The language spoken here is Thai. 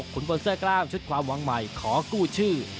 คุณบนเสื้อกล้ามชุดความหวังใหม่ขอกู้ชื่อ